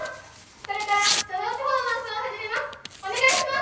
これから書道パフォーマンスを始めます。